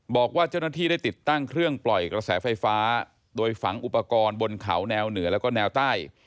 บอกว่าเจ้าหน้าที่ได้ติดตั้งเครื่องปล่อยกระแสไฟฟ้าโดยฝังอุปกรณ์บนเขาแนวเหนือแล้วก็แนวใต้